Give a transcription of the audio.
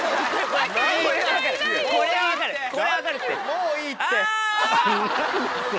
もういいって。